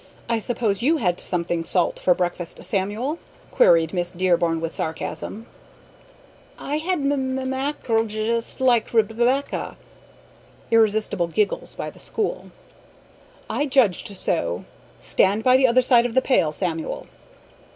I suppose you had something salt for breakfast, Samuel?" queried Miss Dearborn with sarcasm. "I had m m mackerel, j just like Reb b becca." (Irrepressible giggles by the school.) "I judged so. Stand by the other side of the pail, Samuel."